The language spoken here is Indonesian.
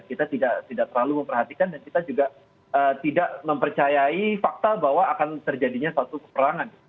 kita tidak terlalu memperhatikan dan kita juga tidak mempercayai fakta bahwa akan terjadinya suatu keperangan